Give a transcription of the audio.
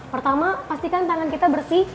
pertama pastikan tangan kita bersih